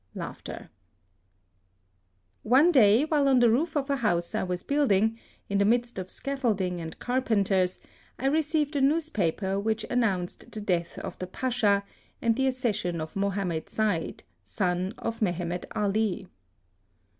One day, while on the roof of a house I was building, in the midst of scaffolding and carpenters, I received a newspaper which announced the death of the Pacha, THE SUEZ CANAL. 7 and the accession of Mohammed Said, son of Mehemet Ali.